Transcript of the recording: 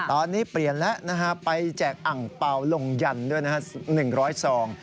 ตอนนี้เปลี่ยนแล้วไปแจกอังเปล่าลงยันต์ด้วยนะครับ